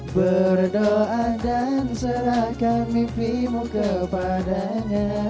berdoa dan serahkan mimpimu kepadanya